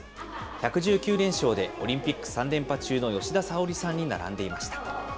１１９連勝でオリンピック３連覇中の吉田沙保里さんに並んでいました。